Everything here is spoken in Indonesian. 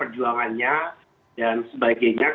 perjuangannya dan sebagainya